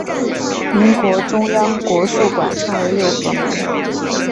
民国中央国术馆称为六合门。